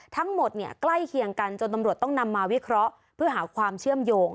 ทั้งหมดเนี่ยใกล้เคียงกันจนตำรวจต้องนำมาวิเคราะห์เพื่อหาความเชื่อมโยง